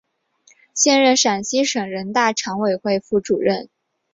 现任陕西省人大常委会副主任。